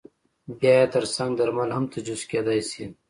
بیا یې ترڅنګ درمل هم تجویز کېدای شي.